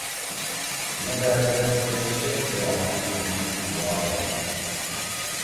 مے بأت زید چیر شیرتے عمل ہُم کُواگا